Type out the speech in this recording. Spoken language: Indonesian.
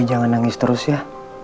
jangan nangis terus ya